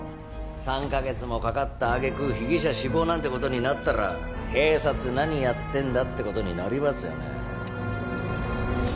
３カ月もかかったあげく被疑者死亡なんてことになったら警察何やってんだってことになりますよね